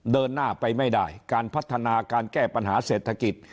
เดินหน้าไปไม่ได้การพัฒนาการแก้ปัญหาเศรษฐกิจ